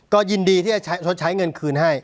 ก็ยินดีที่จะชดใช้เงินคืนให้